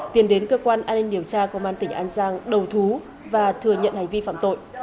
tiến đến cơ quan an ninh điều tra công an tỉnh an giang đầu thú và thừa nhận hành vi phạm tội